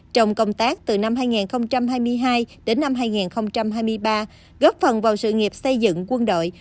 trong công tác từ năm hai nghìn hai mươi hai đến năm hai nghìn hai mươi ba góp phần vào sự nghiệp xây dựng quân đội